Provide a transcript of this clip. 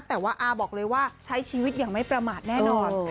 แต่ว่าอาบอกเลยว่าใช้ชีวิตอย่างไม่ประมาทแน่นอน